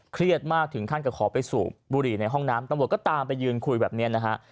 เครียดมากถึงขั้นกับขอไปสูบบุหรี่ในห้องน้ำตำรวจก็ตามไปยืนคุยแบบนี้นะฮะ